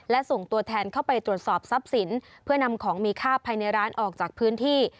และส่งตัวแทนเข้าไปตรวจสอบทรัพย์สินเพื่อนำของมีค่าภายในร้านออกจากพื้นที่